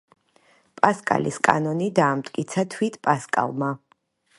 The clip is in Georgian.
პასკალის კანონი დაამტკიცა თვით პასკალმა